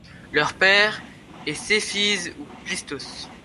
Leur père est Céphise ou Plistos.